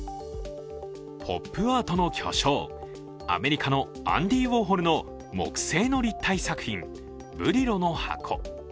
ポップアートの巨匠アメリカのアンディ・ウォーホルの木製の立体作品「ブリロの箱」。